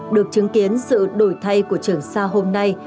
được chứng kiến sự đổi thay của trường sa hôm nay